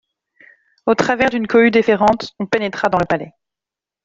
Au travers d'une cohue déférente, on pénétra dans le Palais.